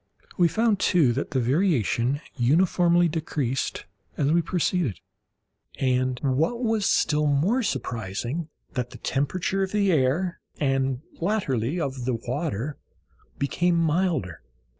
We found, too, that the variation uniformly decreased as we proceeded, and, what was still more surprising, that the temperature of the air, and latterly of the water, became milder.